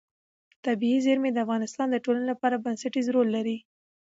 طبیعي زیرمې د افغانستان د ټولنې لپاره بنسټيز رول لري.